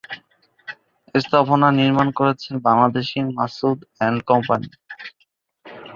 স্থাপনা নির্মাণ করেছে বাংলাদেশী মাসুদ এন্ড কোম্পানি।